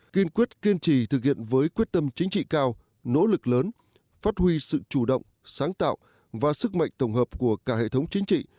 kiên quyết kiên trì thực hiện với quyết tâm chính trị cao nỗ lực lớn phát huy sự chủ động sáng tạo và sức mạnh tổng hợp của cả hệ thống chính trị